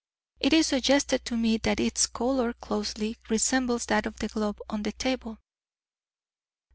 It is suggested to me that its colour closely resembles that of the glove on the table."